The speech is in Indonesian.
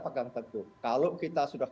pegang tentu kalau kita sudah